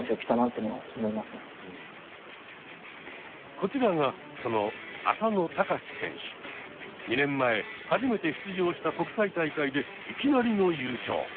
こちらがその２年前初めて出場した国際大会でいきなりの優勝。